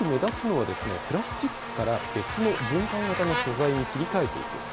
よく目立つのは、プラスチックから別の循環型の素材に切り替えていく。